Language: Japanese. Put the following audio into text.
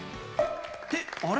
ってあれ？